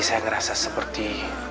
saya merasa seperti